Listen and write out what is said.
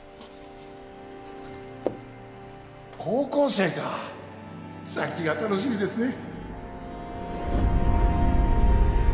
高校生か先が楽しみですね